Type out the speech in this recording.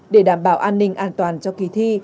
để đảm bảo an ninh an toàn cho kỳ thi